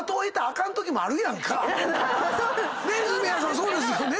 そうですよね！